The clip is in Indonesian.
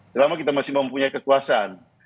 selama kita masih mempunyai kekuasaan